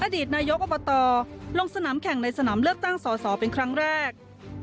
อดีตนายกอบตลงสนามแข่งในสนามเลือกตั้งสอสอเป็นครั้งแรก